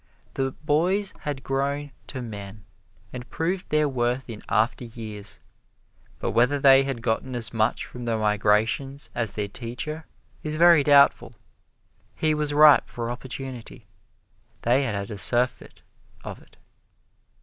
The boys had grown to men, and proved their worth in after years; but whether they had gotten as much from the migrations as their teacher is very doubtful. He was ripe for opportunity they had had a surfeit of it.